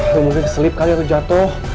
gua mungkin keslip kali atau jatuh